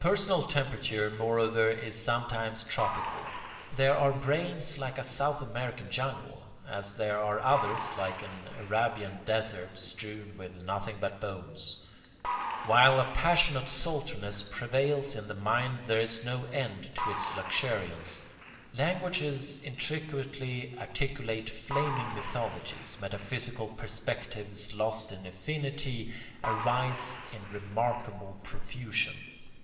Personal temperature, moreover, is sometimes tropical. There are brains like a South American jungle, as there are others like an Arabian desert, strewn with nothing but bones. While a passionate sultriness prevails in the mind there is no end to its luxuriance. Languages intricately articulate, flaming mythologies, metaphysical perspectives lost in infinity, arise in remarkable profusion.